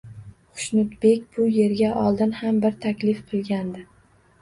Xushnudbek bu yerga oldin ham bir taklif qilgandi.